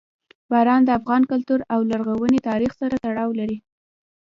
باران د افغان کلتور او لرغوني تاریخ سره تړاو لري.